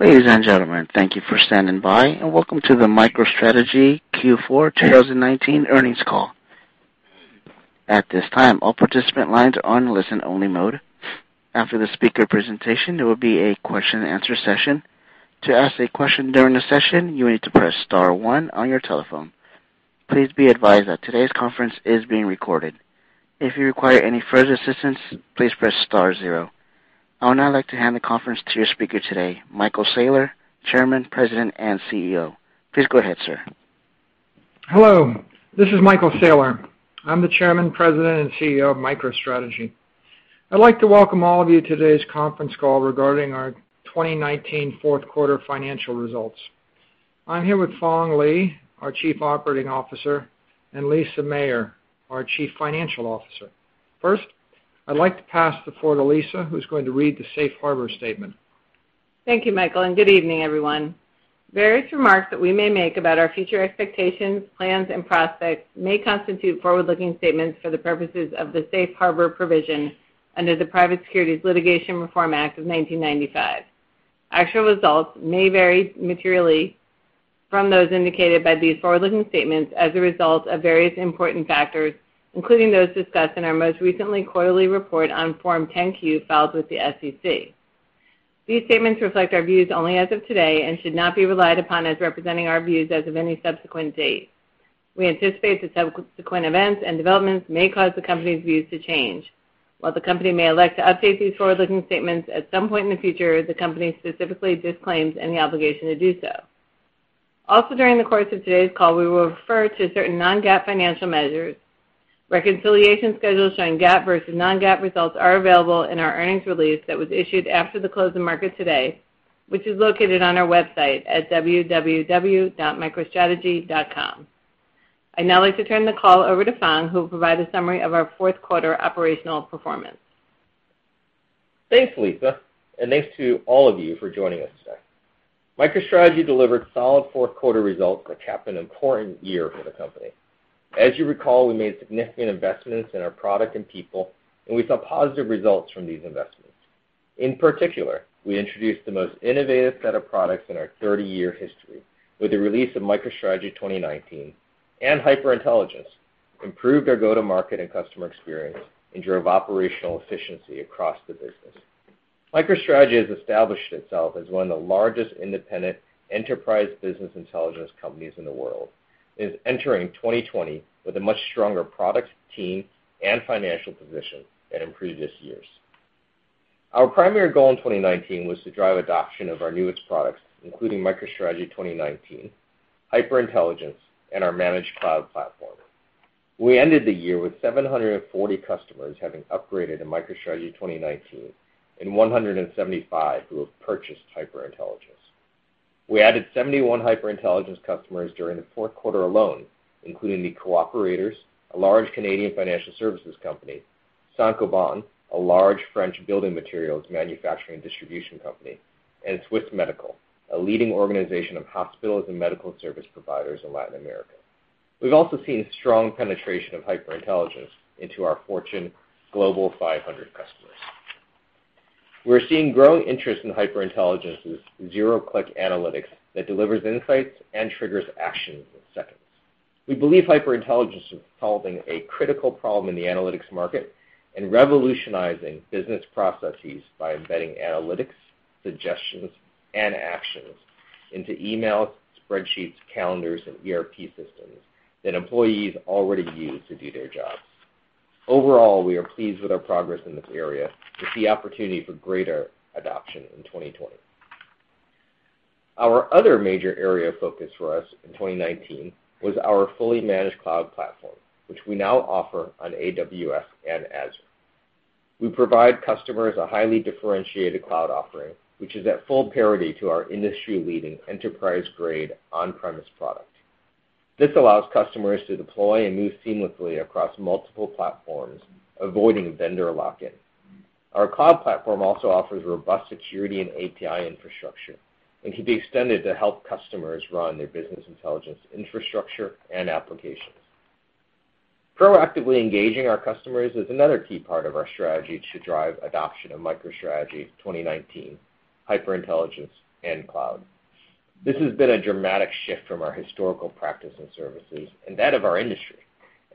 Ladies and gentlemen, thank you for standing by, and welcome to the MicroStrategy Q4 2019 earnings call. At this time, all participant lines are on listen only mode. After the speaker presentation, there will be a question answer session. To ask a question during the session, you will need to press star one on your telephone. Please be advised that today's conference is being recorded. If you require any further assistance, please press star zero. I would now like to hand the conference to your speaker today, Michael Saylor, Chairman, President, and CEO. Please go ahead, sir. Hello, this is Michael Saylor. I'm the Chairman, President, and CEO of MicroStrategy. I'd like to welcome all of you to today's conference call regarding our 2019 fourth quarter financial results. I'm here with Phong Le, our Chief Operating Officer, and Lisa Mayr, our Chief Financial Officer. First, I'd like to pass the floor to Lisa, who's going to read the safe harbor statement. Thank you, Michael, and good evening, everyone. Various remarks that we may make about our future expectations, plans, and prospects may constitute forward-looking statements for the purposes of the safe harbor provisions under the Private Securities Litigation Reform Act of 1995. Actual results may vary materially from those indicated by these forward-looking statements as a result of various important factors, including those discussed in our most recently quarterly report on Form 10-Q filed with the SEC. These statements reflect our views only as of today and should not be relied upon as representing our views as of any subsequent date. We anticipate that subsequent events and developments may cause the company's views to change. While the company may elect to update these forward-looking statements at some point in the future, the company specifically disclaims any obligation to do so. During the course of today's call, we will refer to certain non-GAAP financial measures. Reconciliation schedules showing GAAP versus non-GAAP results are available in our earnings release that was issued after the close of market today, which is located on our website at www.microstrategy.com. I'd now like to turn the call over to Phong, who will provide a summary of our fourth quarter operational performance. Thanks, Lisa, and thanks to all of you for joining us today. MicroStrategy delivered solid fourth quarter results that cap an important year for the company. As you recall, we made significant investments in our product and people, and we saw positive results from these investments. In particular, we introduced the most innovative set of products in our 30-year history with the release of MicroStrategy 2019 and HyperIntelligence, improved our go-to-market and customer experience, and drove operational efficiency across the business. MicroStrategy has established itself as one of the largest independent enterprise business intelligence companies in the world and is entering 2020 with a much stronger product, team, and financial position than in previous years. Our primary goal in 2019 was to drive adoption of our newest products, including MicroStrategy 2019, HyperIntelligence, and our managed cloud platform. We ended the year with 740 customers having upgraded to MicroStrategy 2019 and 175 who have purchased HyperIntelligence. We added 71 HyperIntelligence customers during the fourth quarter alone, including The Co-operators, a large Canadian financial services company, Saint-Gobain, a large French building materials manufacturing and distribution company, and Swiss Medical, a leading organization of hospitals and medical service providers in Latin America. We've also seen strong penetration of HyperIntelligence into our Fortune Global 500 customers. We're seeing growing interest in HyperIntelligence's zero-click analytics that delivers insights and triggers actions in seconds. We believe HyperIntelligence is solving a critical problem in the analytics market and revolutionizing business processes by embedding analytics, suggestions, and actions into emails, spreadsheets, calendars, and ERP systems that employees already use to do their jobs. Overall, we are pleased with our progress in this area and see opportunity for greater adoption in 2020. Our other major area of focus for us in 2019 was our fully managed cloud platform, which we now offer on AWS and Azure. We provide customers a highly differentiated cloud offering, which is at full parity to our industry-leading enterprise-grade on-premise product. This allows customers to deploy and move seamlessly across multiple platforms, avoiding vendor lock-in. Our cloud platform also offers robust security and API infrastructure and can be extended to help customers run their business intelligence infrastructure and applications. Proactively engaging our customers is another key part of our strategy to drive adoption of MicroStrategy 2019, HyperIntelligence, and Cloud. This has been a dramatic shift from our historical practice and services and that of our industry,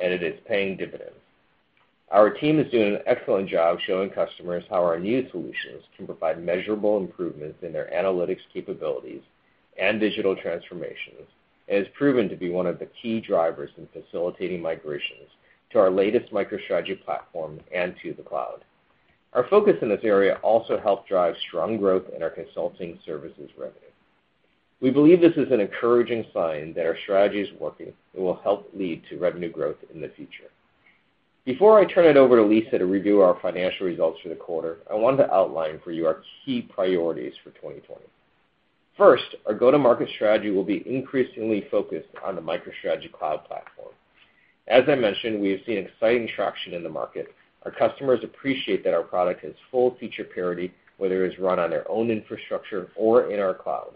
and it is paying dividends. Our team is doing an excellent job showing customers how our new solutions can provide measurable improvements in their analytics capabilities and digital transformations, and has proven to be one of the key drivers in facilitating migrations to our latest MicroStrategy platform and to the cloud. Our focus in this area also helped drive strong growth in our consulting services revenue. We believe this is an encouraging sign that our strategy is working and will help lead to revenue growth in the future. Before I turn it over to Lisa to review our financial results for the quarter, I wanted to outline for you our key priorities for 2020. First, our go-to-market strategy will be increasingly focused on the MicroStrategy cloud platform. As I mentioned, we have seen exciting traction in the market. Our customers appreciate that our product has full feature parity, whether it's run on their own infrastructure or in our cloud.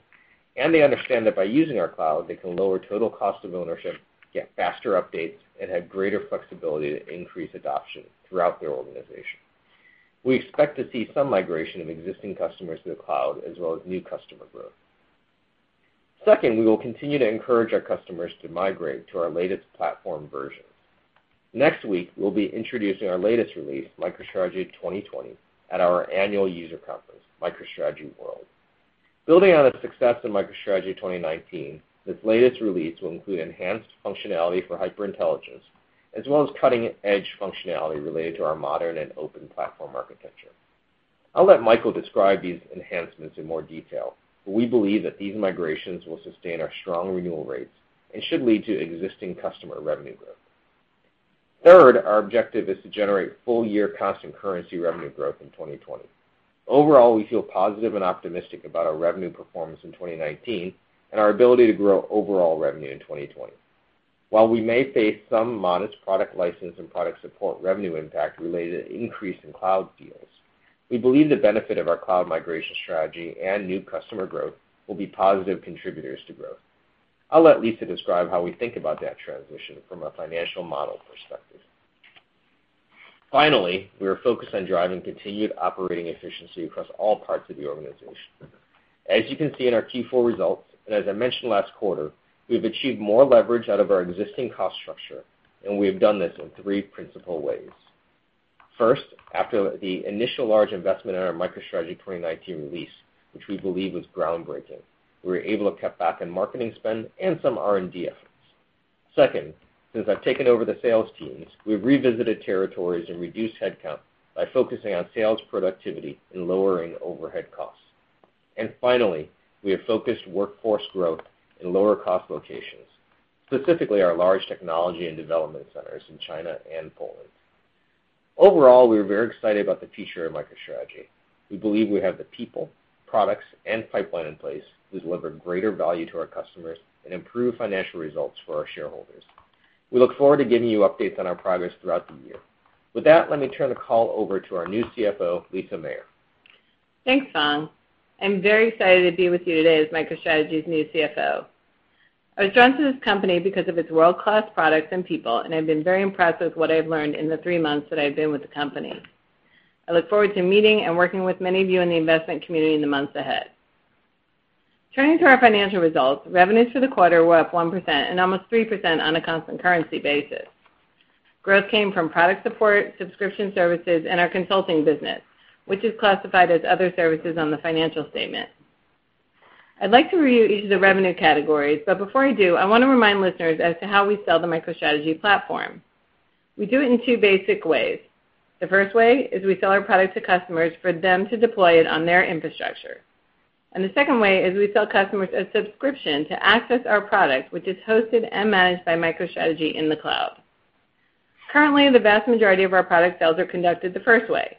They understand that by using our cloud, they can lower total cost of ownership, get faster updates, and have greater flexibility to increase adoption throughout their organization. We expect to see some migration of existing customers to the cloud, as well as new customer growth. Second, we will continue to encourage our customers to migrate to our latest platform version. Next week, we'll be introducing our latest release, MicroStrategy 2020, at our annual user conference, MicroStrategy World. Building on the success of MicroStrategy 2019, this latest release will include enhanced functionality for HyperIntelligence, as well as cutting-edge functionality related to our modern and open platform architecture. I'll let Michael describe these enhancements in more detail, but we believe that these migrations will sustain our strong renewal rates and should lead to existing customer revenue growth. Third, our objective is to generate full-year constant currency revenue growth in 2020. Overall, we feel positive and optimistic about our revenue performance in 2019 and our ability to grow overall revenue in 2020. While we may face some modest product license and product support revenue impact related to increase in cloud deals, we believe the benefit of our cloud migration strategy and new customer growth will be positive contributors to growth. I'll let Lisa describe how we think about that transition from a financial model perspective. Finally, we are focused on driving continued operating efficiency across all parts of the organization. As you can see in our Q4 results, as I mentioned last quarter, we've achieved more leverage out of our existing cost structure, and we have done this in three principal ways. First, after the initial large investment in our MicroStrategy 2019 release, which we believe was groundbreaking, we were able to cut back on marketing spend and some R&D efforts. Second, since I've taken over the sales teams, we've revisited territories and reduced headcount by focusing on sales productivity and lowering overhead costs. Finally, we have focused workforce growth in lower-cost locations, specifically our large technology and development centers in China and Poland. Overall, we are very excited about the future of MicroStrategy. We believe we have the people, products, and pipeline in place to deliver greater value to our customers and improve financial results for our shareholders. We look forward to giving you updates on our progress throughout the year. With that, let me turn the call over to our new CFO, Lisa Mayr. Thanks, Phong. I'm very excited to be with you today as MicroStrategy's new CFO. I was drawn to this company because of its world-class products and people, and I've been very impressed with what I've learned in the three months that I've been with the company. I look forward to meeting and working with many of you in the investment community in the months ahead. Turning to our financial results, revenues for the quarter were up 1% and almost 3% on a constant currency basis. Growth came from product support, subscription services, and our consulting business, which is classified as other services on the financial statement. I'd like to review each of the revenue categories, but before I do, I want to remind listeners as to how we sell the MicroStrategy platform. We do it in two basic ways. The first way is we sell our product to customers for them to deploy it on their infrastructure. The second way is we sell customers a subscription to access our product, which is hosted and managed by MicroStrategy in the cloud. Currently, the vast majority of our product sales are conducted the first way,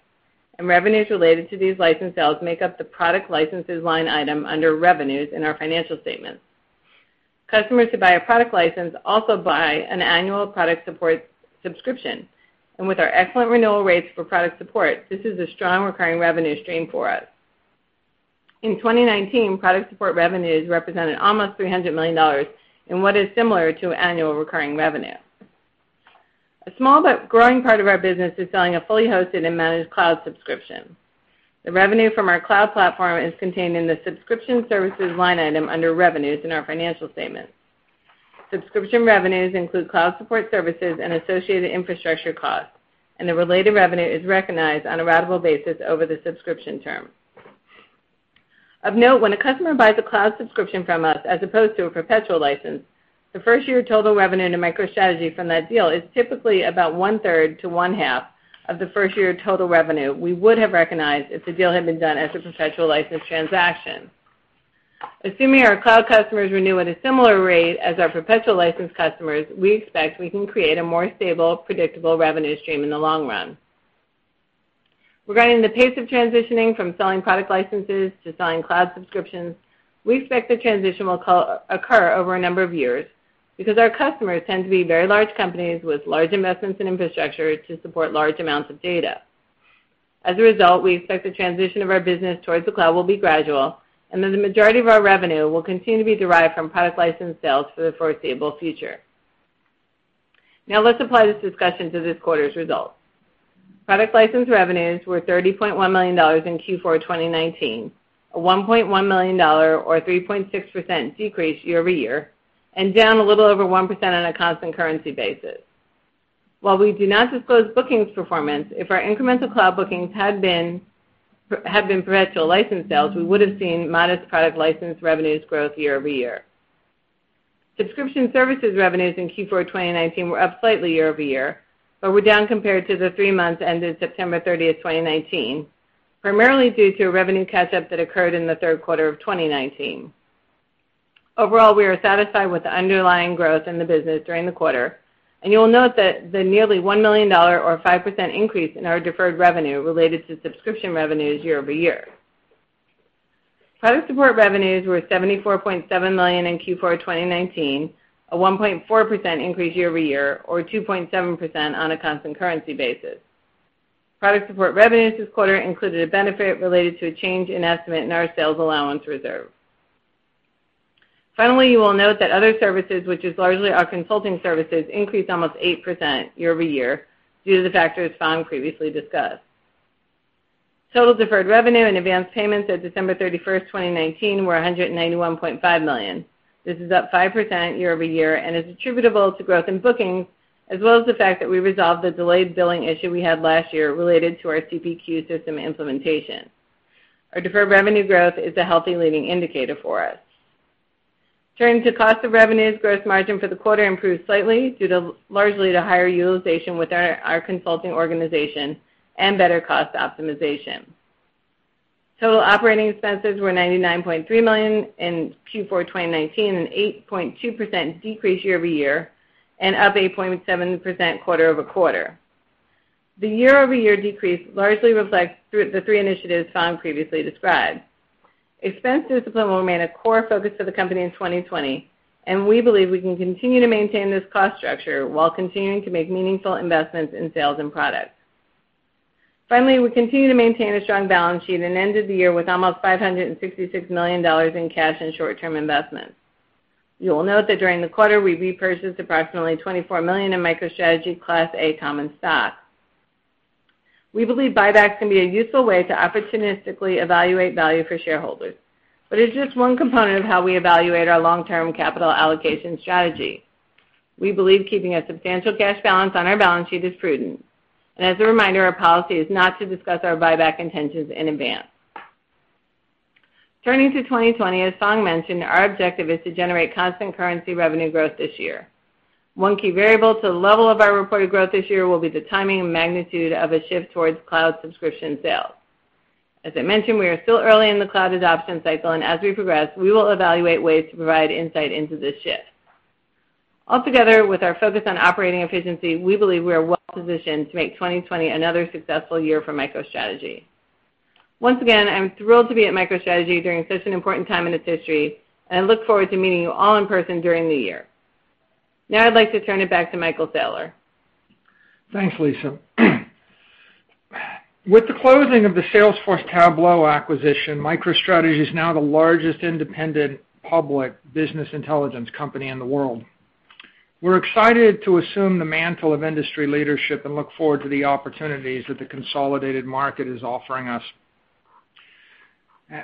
and revenues related to these license sales make up the product licenses line item under revenues in our financial statements. Customers who buy a product license also buy an annual product support subscription, and with our excellent renewal rates for product support, this is a strong recurring revenue stream for us. In 2019, product support revenues represented almost $300 million in what is similar to annual recurring revenue. A small but growing part of our business is selling a fully hosted and managed cloud subscription. The revenue from our cloud platform is contained in the subscription services line item under revenues in our financial statements. Subscription revenues include cloud support services and associated infrastructure costs, and the related revenue is recognized on a ratable basis over the subscription term. Of note, when a customer buys a cloud subscription from us, as opposed to a perpetual license, the first year total revenue to MicroStrategy from that deal is typically about one-third to one-half of the first year total revenue we would have recognized if the deal had been done as a perpetual license transaction. Assuming our cloud customers renew at a similar rate as our perpetual license customers, we expect we can create a more stable, predictable revenue stream in the long run. Regarding the pace of transitioning from selling product licenses to selling cloud subscriptions, we expect the transition will occur over a number of years because our customers tend to be very large companies with large investments in infrastructure to support large amounts of data. As a result, we expect the transition of our business towards the cloud will be gradual, and that the majority of our revenue will continue to be derived from product license sales for the foreseeable future. Let's apply this discussion to this quarter's results. Product license revenues were $30.1 million in Q4 2019, a $1.1 million or 3.6% decrease year-over-year, and down a little over 1% on a constant currency basis. While we do not disclose bookings performance, if our incremental cloud bookings had been perpetual license sales, we would have seen modest product license revenues growth year-over-year. Subscription services revenues in Q4 2019 were up slightly year-over-year, but were down compared to the three months ended September 30th, 2019, primarily due to a revenue catch-up that occurred in the third quarter of 2019. Overall, we are satisfied with the underlying growth in the business during the quarter, and you will note that the nearly $1 million or 5% increase in our deferred revenue related to subscription revenues year-over-year. Product support revenues were $74.7 million in Q4 2019, a 1.4% increase year-over-year or 2.7% on a constant currency basis. Product support revenues this quarter included a benefit related to a change in estimate in our sales allowance reserve. Finally, you will note that other services, which is largely our consulting services, increased almost 8% year-over-year due to the factors Phong previously discussed. Total deferred revenue and advance payments at December 31st, 2019, were $191.5 million. This is up 5% year-over-year and is attributable to growth in bookings as well as the fact that we resolved the delayed billing issue we had last year related to our CPQ system implementation. Our deferred revenue growth is a healthy leading indicator for us. Turning to cost of revenues, gross margin for the quarter improved slightly, due largely to higher utilization with our consulting organization and better cost optimization. Total operating expenses were $99.3 million in Q4 2019, an 8.2% decrease year-over-year, and up 8.7% quarter-over-quarter. The year-over-year decrease largely reflects the three initiatives Phong previously described. Expense discipline will remain a core focus of the company in 2020, and we believe we can continue to maintain this cost structure while continuing to make meaningful investments in sales and products. We continue to maintain a strong balance sheet and ended the year with almost $566 million in cash and short-term investments. You will note that during the quarter, we repurchased approximately $24 million in MicroStrategy Class A common stock. We believe buybacks can be a useful way to opportunistically evaluate value for shareholders, but it's just one component of how we evaluate our long-term capital allocation strategy. We believe keeping a substantial cash balance on our balance sheet is prudent, as a reminder, our policy is not to discuss our buyback intentions in advance. Turning to 2020, as Phong mentioned, our objective is to generate constant currency revenue growth this year. One key variable to the level of our reported growth this year will be the timing and magnitude of a shift towards cloud subscription sales. As I mentioned, we are still early in the cloud adoption cycle, and as we progress, we will evaluate ways to provide insight into this shift. Altogether, with our focus on operating efficiency, we believe we are well-positioned to make 2020 another successful year for MicroStrategy. Once again, I'm thrilled to be at MicroStrategy during such an important time in its history, and I look forward to meeting you all in person during the year. Now I'd like to turn it back to Michael Saylor. Thanks, Lisa. With the closing of the Salesforce Tableau acquisition, MicroStrategy is now the largest independent public business intelligence company in the world. We're excited to assume the mantle of industry leadership and look forward to the opportunities that the consolidated market is offering us.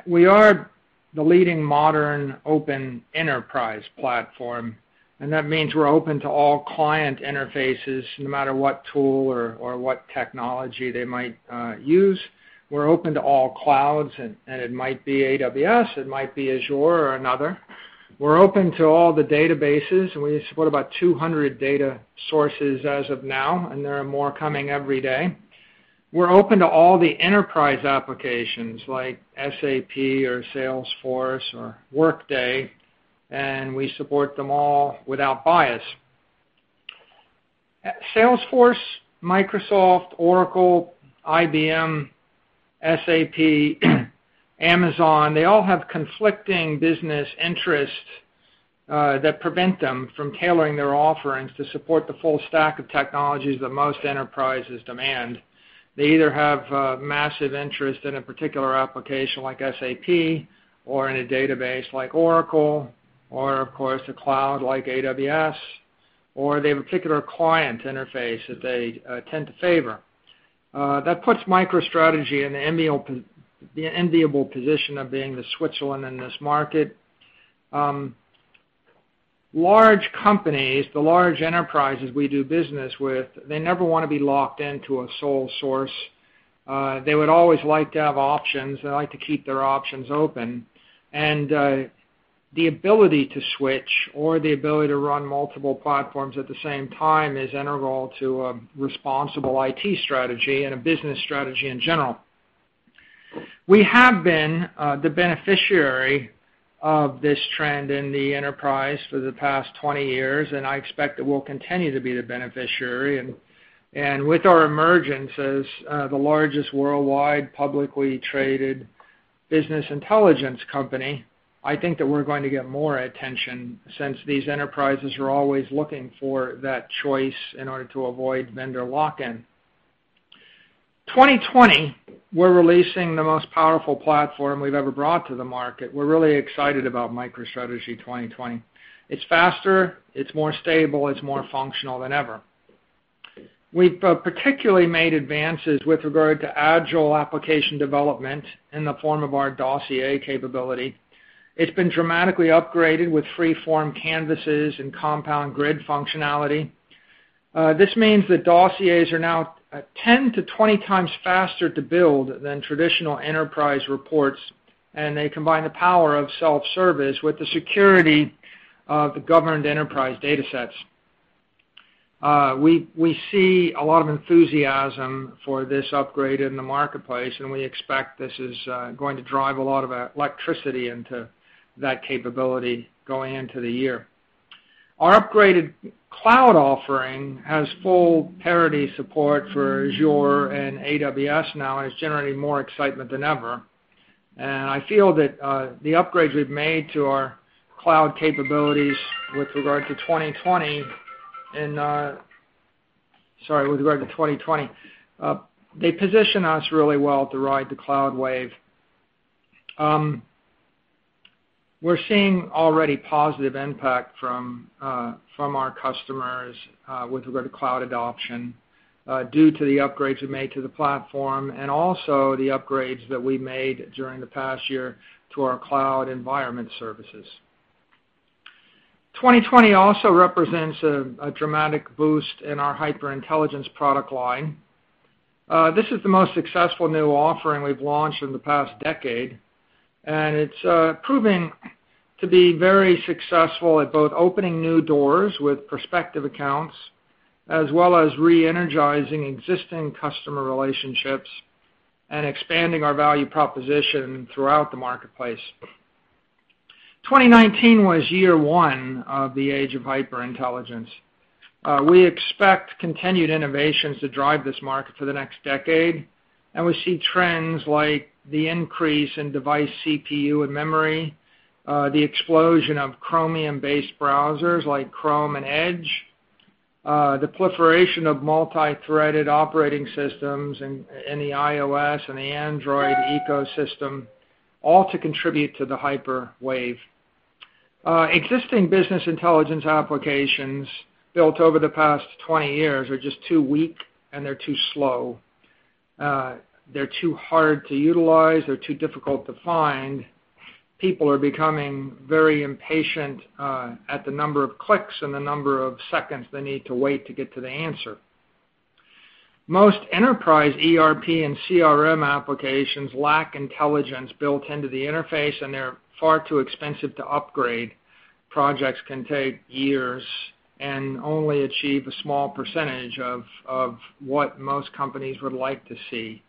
We are the leading modern open enterprise platform. That means we're open to all client interfaces, no matter what tool or what technology they might use. We're open to all clouds. It might be AWS, it might be Azure or another. We're open to all the databases. We support about 200 data sources as of now, and there are more coming every day. We're open to all the enterprise applications like SAP or Salesforce or Workday. We support them all without bias. Salesforce, Microsoft, Oracle, IBM, SAP, Amazon, they all have conflicting business interests that prevent them from tailoring their offerings to support the full stack of technologies that most enterprises demand. They either have a massive interest in a particular application like SAP or in a database like Oracle, or of course, a cloud like AWS, or they have a particular client interface that they tend to favor. That puts MicroStrategy in the enviable position of being the Switzerland in this market. Large companies, the large enterprises we do business with, they never want to be locked into a sole source, they would always like to have options. They like to keep their options open. The ability to switch or the ability to run multiple platforms at the same time is integral to a responsible IT strategy and a business strategy in general. We have been the beneficiary of this trend in the enterprise for the past 20 years, and I expect that we'll continue to be the beneficiary. With our emergence as the largest worldwide publicly traded business intelligence company, I think that we're going to get more attention since these enterprises are always looking for that choice in order to avoid vendor lock-in. 2020, we're releasing the most powerful platform we've ever brought to the market. We're really excited about MicroStrategy 2020. It's faster, it's more stable, it's more functional than ever. We've particularly made advances with regard to agile application development in the form of our Dossier capability. It's been dramatically upgraded with free-form canvases and compound grid functionality. This means that Dossiers are now 10 to 20 times faster to build than traditional enterprise reports, and they combine the power of self-service with the security of the governed enterprise data sets. We see a lot of enthusiasm for this upgrade in the marketplace, and we expect this is going to drive a lot of electricity into that capability going into the year. Our upgraded cloud offering has full parity support for Azure and AWS now, and it's generating more excitement than ever. I feel that the upgrades we've made to our cloud capabilities with regard to 2020, they position us really well to ride the cloud wave. We're seeing already positive impact from our customers with regard to cloud adoption due to the upgrades we made to the platform, and also the upgrades that we made during the past year to our cloud environment services. 2020 also represents a dramatic boost in our HyperIntelligence product line. This is the most successful new offering we've launched in the past decade, and it's proving to be very successful at both opening new doors with prospective accounts, as well as re-energizing existing customer relationships and expanding our value proposition throughout the marketplace. 2019 was year one of the age of HyperIntelligence. We expect continued innovations to drive this market for the next decade, and we see trends like the increase in device CPU and memory, the explosion of Chromium-based browsers like Chrome and Edge, the proliferation of multi-threaded operating systems in the iOS and the Android ecosystem, all to contribute to the hyper wave. Existing business intelligence applications built over the past 20 years are just too weak, and they're too slow, they're too hard to utilize, they're too difficult to find. People are becoming very impatient at the number of clicks and the number of seconds they need to wait to get to the answer. Most enterprise ERP and CRM applications lack intelligence built into the interface, and they're far too expensive to upgrade. Projects can take years and only achieve a small percentage of what most companies would like to see.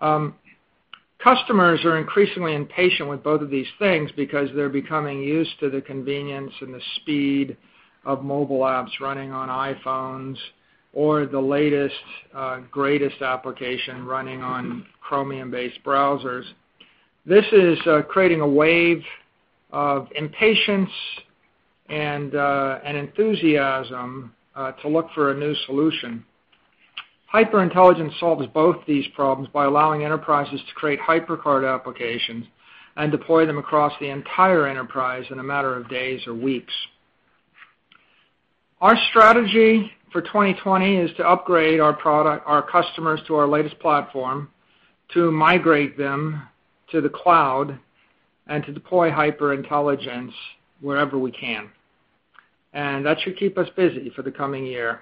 Customers are increasingly impatient with both of these things because they're becoming used to the convenience and the speed of mobile apps running on iPhones or the latest, greatest application running on Chromium-based browsers. This is creating a wave of impatience and enthusiasm to look for a new solution. HyperIntelligence solves both these problems by allowing enterprises to create HyperCard applications and deploy them across the entire enterprise in a matter of days or weeks. Our strategy for 2020 is to upgrade our customers to our latest platform, to migrate them to the cloud, and to deploy HyperIntelligence wherever we can. That should keep us busy for the coming year.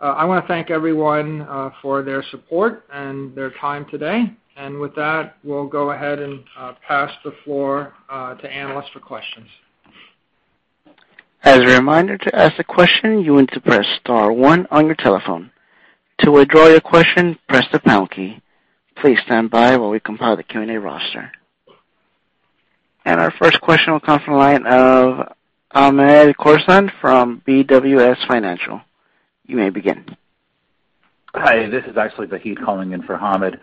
I want to thank everyone for their support and their time today. With that, we'll go ahead and pass the floor to analysts for questions. As a reminder, to ask a question, you need to press star one on your telephone. To withdraw your question, press the pound key. Please stand by while we compile the Q&A roster. Our first question will come from the line of Hamed Khorsand from BWS Financial. You may begin. Hi, this is actually Vahid calling in for Hamed.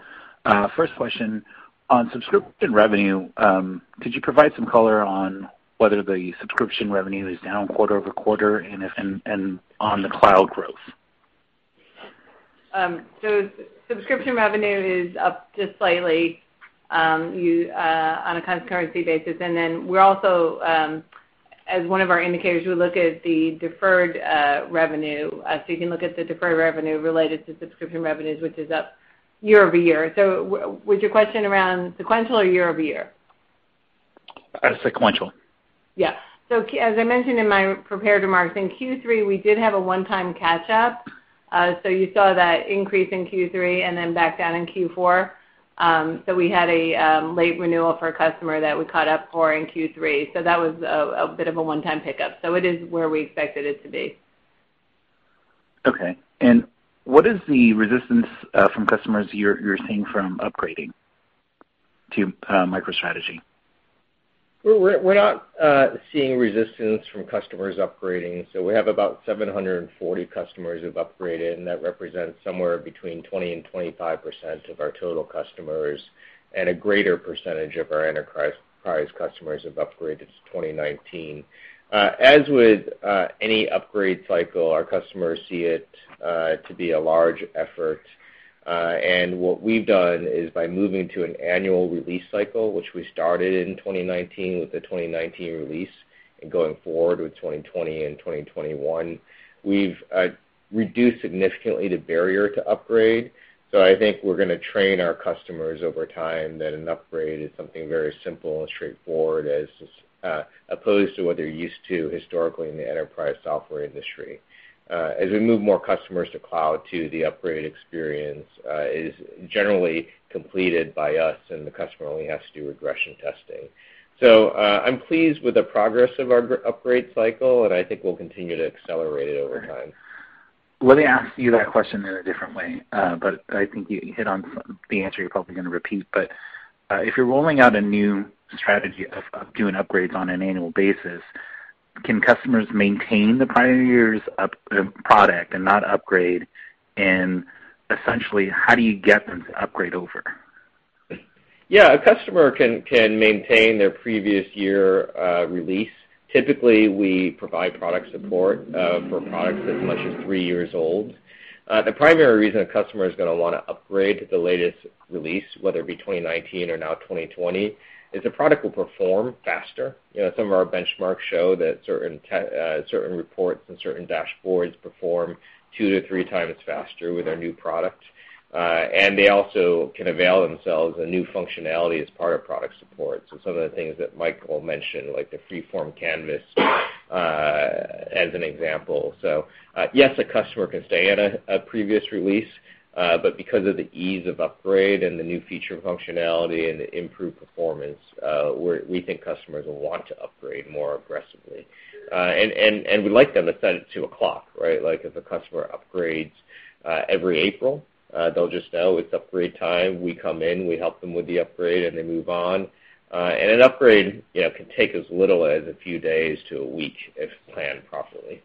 First question, on subscription revenue, could you provide some color on whether the subscription revenue is down quarter-over-quarter and on the cloud growth? Subscription revenue is up just slightly on a constant currency basis. We're also, as one of our indicators, we look at the deferred revenue. You can look at the deferred revenue related to subscription revenues, which is up year-over-year. Was your question around sequential or year-over-year? Sequential. Yeah. As I mentioned in my prepared remarks, in Q3, we did have a one-time catch up. You saw that increase in Q3 and then back down in Q4. We had a late renewal for a customer that we caught up for in Q3. That was a bit of a one-time pickup. It is where we expected it to be. Okay. What is the resistance from customers you're seeing from upgrading to MicroStrategy? We're not seeing resistance from customers upgrading. We have about 740 customers who've upgraded, and that represents somewhere between 20% and 25% of our total customers, and a greater percentage of our enterprise customers have upgraded to 2019. As with any upgrade cycle, our customers see it to be a large effort. What we've done is by moving to an annual release cycle, which we started in 2019 with the 2019 release and going forward with 2020 and 2021, we've reduced significantly the barrier to upgrade. I think we're going to train our customers over time that an upgrade is something very simple and straightforward, as opposed to what they're used to historically in the enterprise software industry. As we move more customers to cloud too, the upgrade experience is generally completed by us, and the customer only has to do regression testing. I'm pleased with the progress of our upgrade cycle, and I think we'll continue to accelerate it over time. Let me ask you that question in a different way. I think you hit on the answer you're probably going to repeat. If you're rolling out a new strategy of doing upgrades on an annual basis, can customers maintain the prior year's product and not upgrade? Essentially, how do you get them to upgrade over? Yeah. A customer can maintain their previous year release. Typically, we provide product support for products as much as three years old. The primary reason a customer is going to want to upgrade to the latest release, whether it be 2019 or now 2020, is the product will perform faster. Some of our benchmarks show that certain reports and certain dashboards perform two to three times faster with our new product, and they also can avail themselves of new functionality as part of product support. Some of the things that Michael mentioned, like the freeform canvas, as an example. Yes, a customer can stay at a previous release, but because of the ease of upgrade and the new feature functionality and the improved performance, we think customers will want to upgrade more aggressively. We like them to set it to a clock, right? Like if a customer upgrades every April, they'll just know it's upgrade time. We come in, we help them with the upgrade, and they move on. An upgrade can take as little as a few days to a week if planned properly.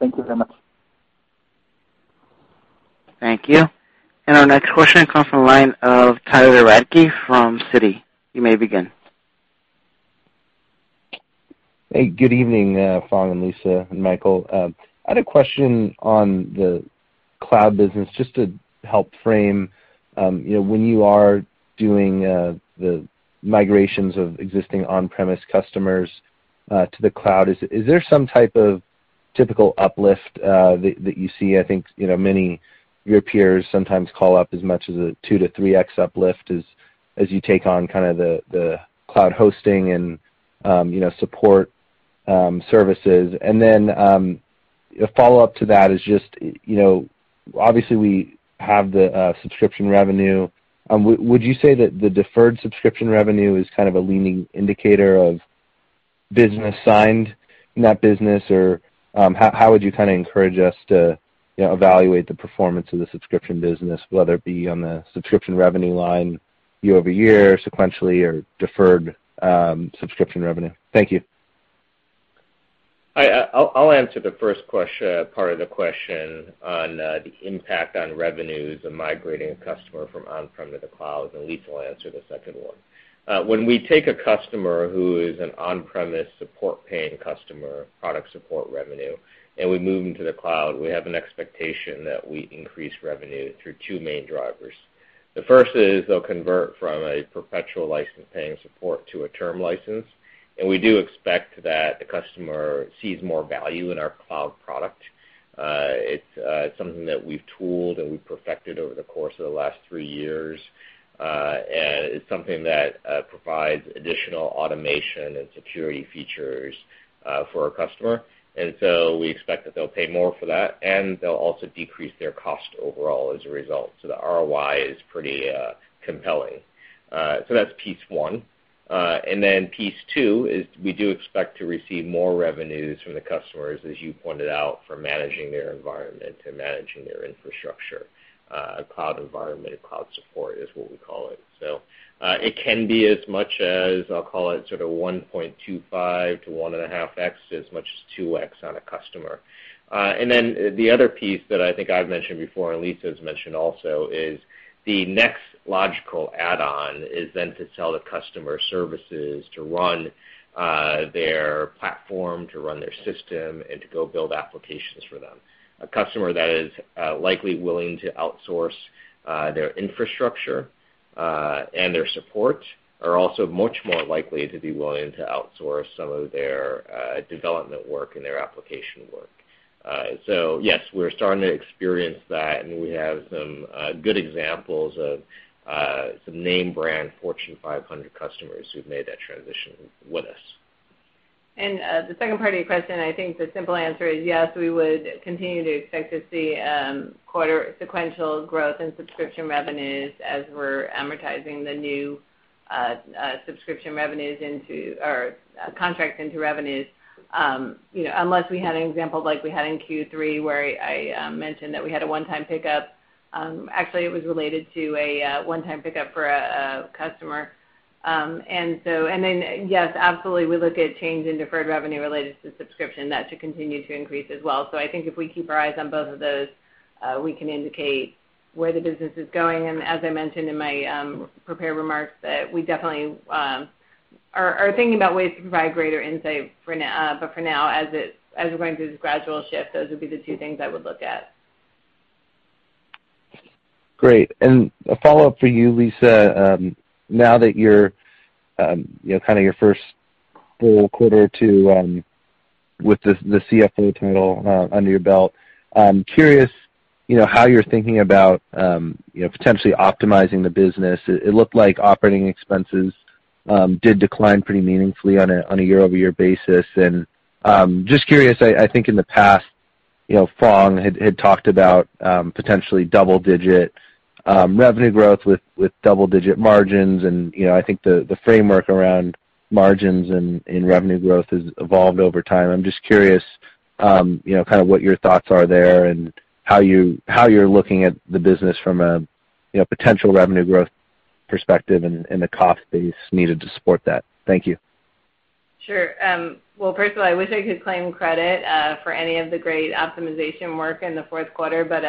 Thank you very much. Thank you. Our next question comes from the line of Tyler Radke from Citi. You may begin. Hey, good evening, Phong, Lisa and Michael. I had a question on the cloud business, just to help frame when you are doing the migrations of existing on-premise customers to the cloud, is there some type of typical uplift that you see? I think, many of your peers sometimes call up as much as a 2x-3x uplift as you take on kind of the cloud hosting and support services. Then, a follow-up to that is just, obviously we have the subscription revenue. Would you say that the deferred subscription revenue is kind of a leading indicator of business signed in that business? How would you kind of encourage us to evaluate the performance of the subscription business, whether it be on the subscription revenue line year-over-year, sequentially, or deferred subscription revenue? Thank you. I'll answer the first part of the question on the impact on revenues of migrating a customer from on-prem to the cloud, and Lisa will answer the second one. When we take a customer who is an on-premise support paying customer, product support revenue, and we move them to the cloud, we have an expectation that we increase revenue through two main drivers. The first is they'll convert from a perpetual license paying support to a term license, and we do expect that the customer sees more value in our cloud product. It's something that we've tooled and we've perfected over the course of the last three years. It's something that provides additional automation and security features for our customer. We expect that they'll pay more for that, and they'll also decrease their cost overall as a result. The ROI is pretty compelling. That's piece one. Piece 2 is we do expect to receive more revenues from the customers, as you pointed out, for managing their environment and managing their infrastructure. A cloud environment, a cloud support is what we call it. It can be as much as, I'll call it, sort of 1.25x-1.5x, as much as 2x on a customer. The other piece that I think I've mentioned before, and Lisa's mentioned also, is the next logical add-on is then to sell the customer services to run their platform, to run their system, and to go build applications for them. A customer that is likely willing to outsource their infrastructure and their support are also much more likely to be willing to outsource some of their development work and their application work. Yes, we're starting to experience that, and we have some good examples of some name brand Fortune 500 customers who've made that transition with us. The second part of your question, I think the simple answer is yes, we would continue to expect to see quarter sequential growth in subscription revenues as we're amortizing the new subscription revenues into or contracts into revenues. Unless we had an example like we had in Q3 where I mentioned that we had a one-time pickup. Actually, it was related to a one-time pickup for a customer. Yes, absolutely, we look at change in deferred revenue related to subscription, that should continue to increase as well. I think if we keep our eyes on both of those, we can indicate where the business is going. As I mentioned in my prepared remarks, that we definitely are thinking about ways to provide greater insight. For now, as we're going through this gradual shift, those would be the two things I would look at. A follow-up for you, Lisa. Now that you're, kind of your first full quarter two with the CFO title under your belt, I'm curious how you're thinking about potentially optimizing the business. It looked like operating expenses did decline pretty meaningfully on a year-over-year basis. Just curious, I think in the past, Phong had talked about potentially double-digit revenue growth with double-digit margins, and I think the framework around margins and revenue growth has evolved over time. I'm just curious kind of what your thoughts are there, and how you're looking at the business from a potential revenue growth perspective and the cost base needed to support that. Thank you. Sure. Well, first of all, I wish I could claim credit for any of the great optimization work in the fourth quarter, but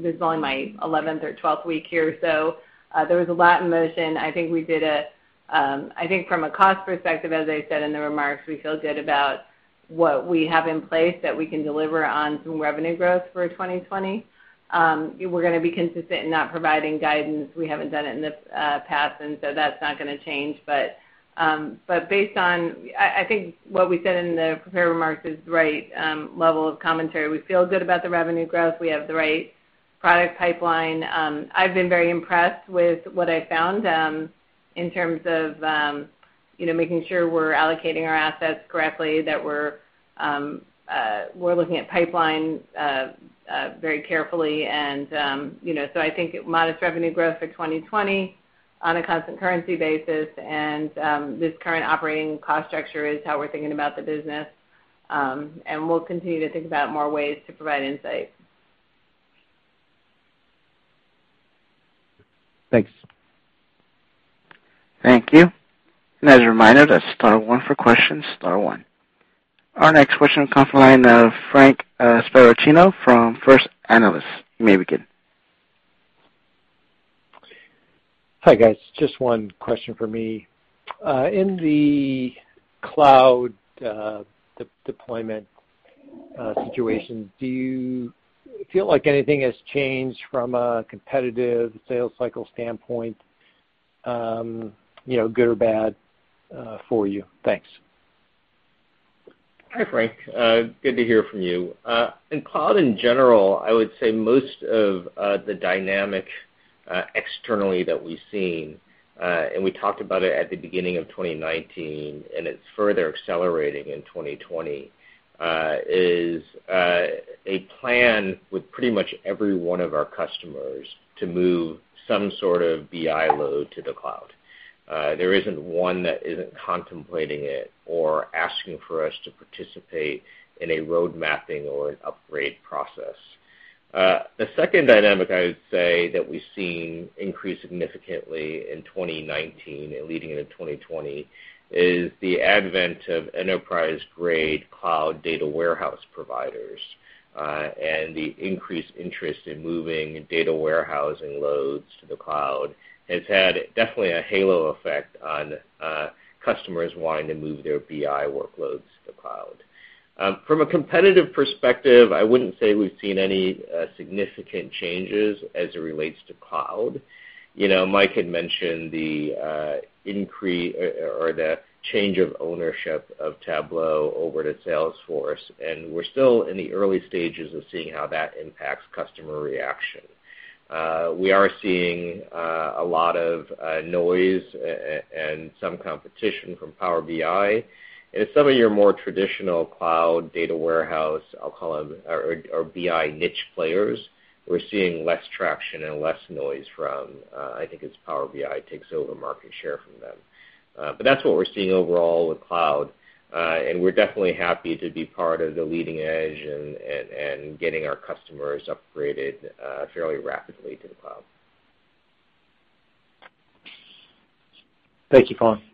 this is only my 11th or 12th week here. There was a lot in motion. I think from a cost perspective, as I said in the remarks, we feel good about what we have in place that we can deliver on some revenue growth for 2020. We're going to be consistent in not providing guidance. We haven't done it in the past, that's not going to change. Based on, I think what we said in the prepared remarks is the right level of commentary. We feel good about the revenue growth. We have the right product pipeline. I've been very impressed with what I found in terms of making sure we're allocating our assets correctly, that we're looking at pipeline very carefully. I think modest revenue growth for 2020 on a constant currency basis and this current operating cost structure is how we're thinking about the business. We'll continue to think about more ways to provide insight. Thanks. Thank you. As a reminder, that's star one for questions, star one. Our next question comes from the line of Frank Sparacino from First Analysis. You may begin. Hi, guys. Just one question from me. In the cloud deployment situation, do you feel like anything has changed from a competitive sales cycle standpoint, good or bad for you? Thanks. Hi, Frank, good to hear from you. Cloud in general, I would say most of the dynamic externally that we've seen, and we talked about it at the beginning of 2019, and it's further accelerating in 2020, is a plan with pretty much every one of our customers to move some sort of BI load to the cloud. There isn't one that isn't contemplating it or asking for us to participate in a road mapping or an upgrade process. The second dynamic I would say that we've seen increase significantly in 2019 and leading into 2020 is the advent of enterprise-grade cloud data warehouse providers, and the increased interest in moving data warehousing loads to the cloud. It's had definitely a halo effect on customers wanting to move their BI workloads to the cloud. From a competitive perspective, I wouldn't say we've seen any significant changes as it relates to cloud. Mike had mentioned the increase or the change of ownership of Tableau over to Salesforce, and we're still in the early stages of seeing how that impacts customer reaction. We are seeing a lot of noise and some competition from Power BI. In some of your more traditional cloud data warehouse, I'll call them, or BI niche players, we're seeing less traction and less noise from, I think, as Power BI takes over market share from them. That's what we're seeing overall with cloud. We're definitely happy to be part of the leading edge and getting our customers upgraded fairly rapidly to the cloud. Thank you, Frank. Thank you.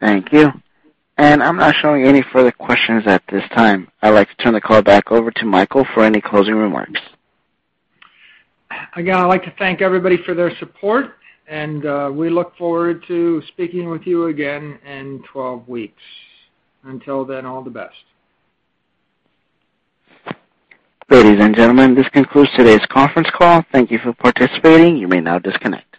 I'm not showing any further questions at this time. I'd like to turn the call back over to Michael for any closing remarks. Again, I'd like to thank everybody for their support, and we look forward to speaking with you again in 12 weeks. Until then, all the best. Ladies and gentlemen, this concludes today's conference call. Thank you for participating, you may now disconnect.